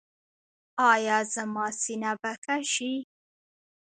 ایا زما سینه به ښه شي؟